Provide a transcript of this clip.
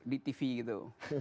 di tv gitu